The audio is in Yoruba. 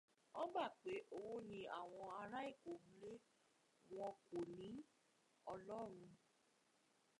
Wọ́n gbà pé owó ni àwọn ará Èkó ń lé, wọn kò ní Ọlọ́run.